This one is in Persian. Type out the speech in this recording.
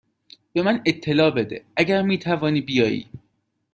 به من اطلاع بده اگر می توانی بیایی.